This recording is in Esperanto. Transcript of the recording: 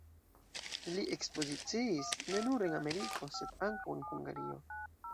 Li ekspoziciis ne nur en Ameriko, sed ankaŭ en Hungario.